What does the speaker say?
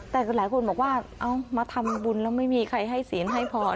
แต่หลายคนบอกว่าเอามาทำบุญแล้วไม่มีใครให้ศีลให้พร